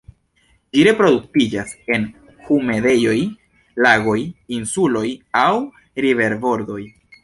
Ĝi reproduktiĝas en humidejoj, lagoj, insuloj aŭ riverbordoj.